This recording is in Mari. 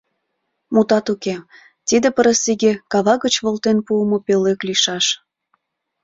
Мутат уке, тиде пырысиге кава гыч волтен пуымо пӧлек лийшаш.